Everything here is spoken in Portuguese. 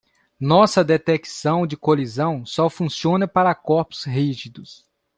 Nossa detecção de colisão só funciona para corpos rígidos.